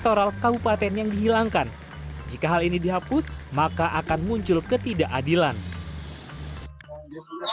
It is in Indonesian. terkait dengan hal yang tidak terkait dengan prestasi berhasil menjaga penduduk indonesia